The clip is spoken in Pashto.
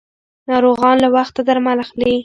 ناروغان له وخته درمل اخلي.